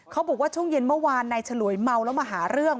เขาบอกว่าช่วงเย็นเมื่อวานนายฉลวยเมาแล้วมาหาเรื่อง